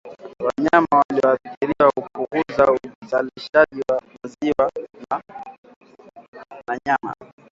Wanyama walioathiriwa hupunguza uzalishaji wa maziwa na nyama